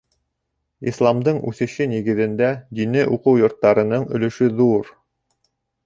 — Исламдың үҫеше нигеҙендә дини уҡыу йорттарының өлөшө ҙур.